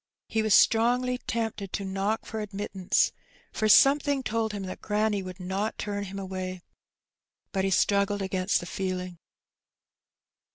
He was strongly tempted to knock for admittance, for some thing told him that granny would not turn him away, but he straggled against the feeling.